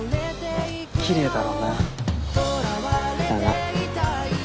きれいだろうな。だな。